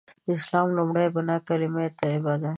د اسلام لومړۍ بناء کلیمه طیبه ده.